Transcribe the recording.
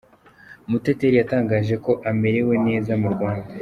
muteteri yatangaje ko amerewe neza mu Rwanda